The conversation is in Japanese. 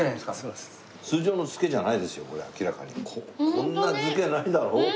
こんな漬けないだろ？